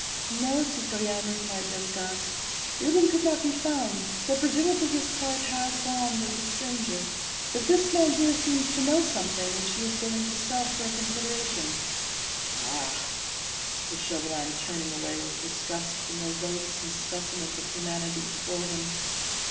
"No, citoyen," replied Desgas, "Reuben could not be found, so presumably his cart has gone with the stranger; but this man here seems to know something, which he is willing to sell for a consideration." "Ah!" said Chauvelin, turning away with disgust from the loathsome specimen of humanity before him.